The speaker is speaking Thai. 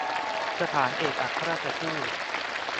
สถานเอกอัครราชทูต